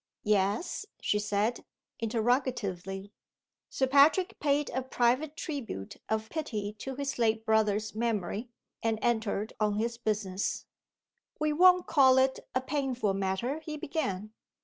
"Yes?" she said, interrogatively. Sir Patrick paid a private tribute of pity to his late brother's memory, and entered on his business. "We won't call it a painful matter," he began.